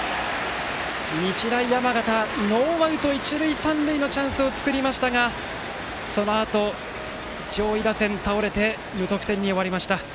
日大山形、ノーアウト一塁三塁のチャンスを作りましたがそのあと上位打線、倒れて無得点に終わりました。